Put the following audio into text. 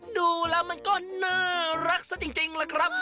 ดูแล้วมันก็น่ารักซะจริงล่ะครับ